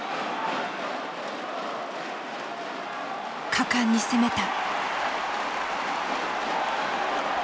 果敢に攻めた。